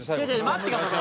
待ってください。